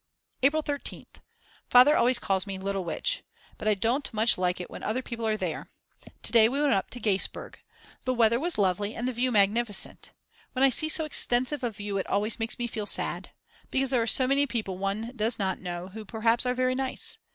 April 13th. Father always calls me: Little Witch! But I don't much like it when other people are there. To day we went up the Gaisberg. The weather was lovely and the view magnificent. When I see so extensive a view it always makes me feel sad. Because there are so many people one does not know who perhaps are very nice.